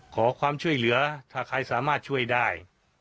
ขอความช่วยเหลือถ้าใครสามารถช่วยได้